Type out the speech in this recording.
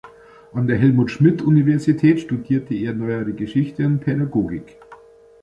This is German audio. An der Helmut-Schmidt-Universität studierte er Neuere Geschichte und Pädagogik.